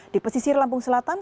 di pesisir lampung selatan